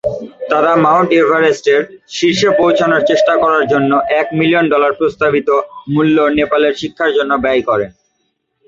তারা মাউন্ট এভারেস্টের শীর্ষে পৌঁছানোর চেষ্টা করার জন্য এক মিলিয়ন ডলার প্রস্তাবিত মূল্য নেপালের শিক্ষার জন্য ব্যয় করবেন।